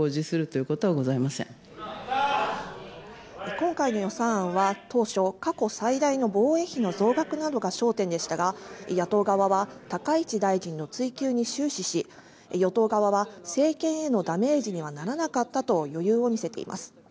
今回の予算案は当初過去最大の防衛費の増額などが焦点でしたが野党側は高市大臣の追及に終始し与党側は、政権へのダメージにはならなかったと余裕を見せています。